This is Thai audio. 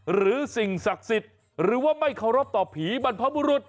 สิ่งศักดิ์สิทธิ์หรือว่าไม่เคารพต่อผีบรรพบุรุษ